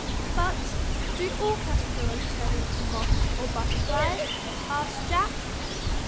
"But do all caterpillars turn into moths or butterflies?" asked Jack.